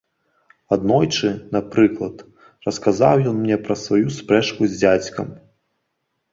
Аднойчы, напрыклад, расказаў ён мне пра сваю спрэчку з дзядзькам.